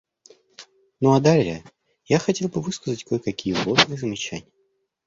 Ну а далее я хотел бы высказать кое-какие вводные замечания.